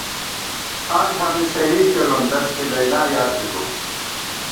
ٹھان ٹھانہ شہید کېرون دشت لیلٰی یادبِبہ